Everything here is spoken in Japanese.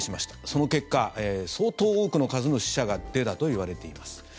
その結果、相当多くの数の死者が出たといわれています。